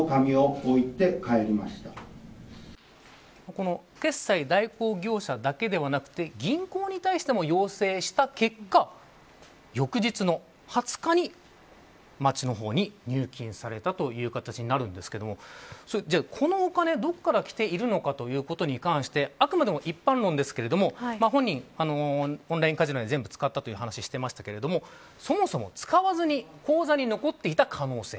この決済代行業者だけではなく銀行に対しても要請した結果、翌日の２０日に町の方に入金されたという形になるんですがではこのお金、どこから来ているのかということに関してあくまでも一般論ですが本人、オンラインカジノで全部使ったという話をしていましたがそもそも使わずに口座に残っていた可能性。